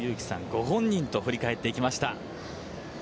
ご本人と振り返っていきました。